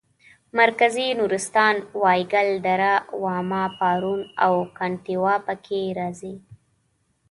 مرکزي نورستان وایګل دره واما پارون او کنتیوا پکې راځي.